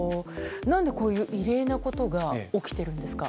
何で、こういう異例なことが起きているんですか。